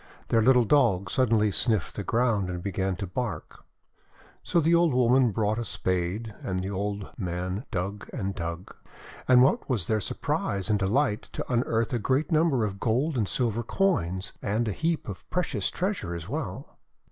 Their little Dog sud denly sniffed the ground, and began to bark. So the old woman brought a spade, and the old man dug and dug. And what was their surprise and de light to unearth a great number of gold and silver coins, and a heap of precious treasure as well.